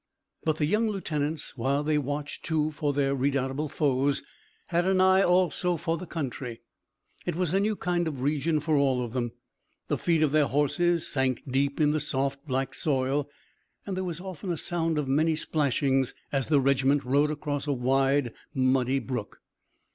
But the young lieutenants while they watched too for their redoubtable foes had an eye also for the country. It was a new kind of region for all of them. The feet of their horses sank deep in the soft black soil, and there was often a sound of many splashings as the regiment rode across a wide, muddy brook.